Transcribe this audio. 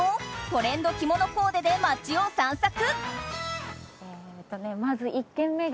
トレンド着物コーデで街を散策。